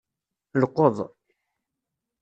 Lqeḍ.